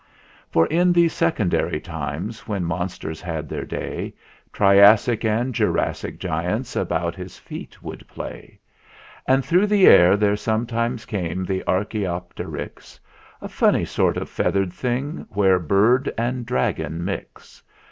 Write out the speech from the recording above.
VI. For in those Secondary times, when monsters had their day, Triassic and Jurassic giants about his feet would play; And through the air there sometimes came the Archaeopteryx A funny sort of feathered thing where bird and dragon mix.